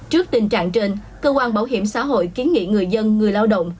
trước tình trạng trên cơ quan bảo hiểm xã hội kiến nghị người dân người lao động